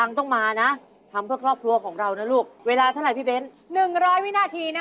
มันต้องแบบนี้นะลูกพลังต้องมานะ